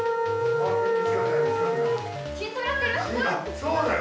そうだよ。